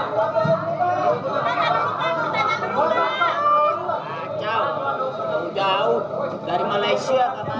saya kira itu ya gak ada pertanyaan untuk beliau ya nanti kita menjelaskan semuanya silahkan pak